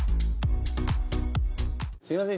すみません